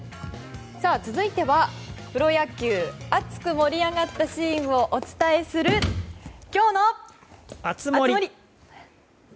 続いては、プロ野球熱く盛り上がったシーンをお伝えする熱盛！